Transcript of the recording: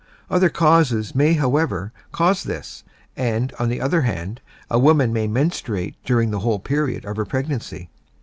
_ Other causes may, however, cause this; and, on the other hand, a woman may menstruate during the whole period of her pregnancy.